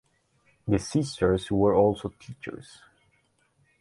The sisters were also teachers.